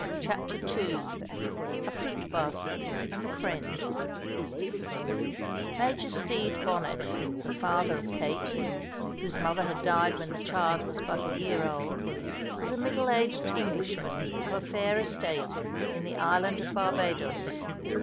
CHAPTER II A FRUIT BASKET AND A FRIEND Major Stede Bonnet, the father of Kate, whose mother had died when the child was but a year old, was a middle aged Englishman of a fair estate, in the island of Barbadoes.